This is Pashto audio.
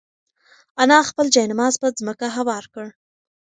انا خپل جاینماز په ځمکه هوار کړ.